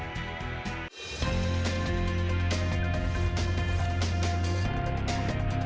sistem digital pariwisata terpadu